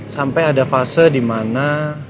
sampai ada fase di mana